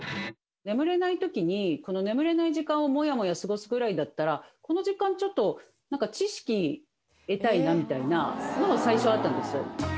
眠れない時に眠れない時間をモヤモヤ過ごすくらいだったらこの時間ちょっとなんか知識得たいなみたいなのが最初あったんですよ。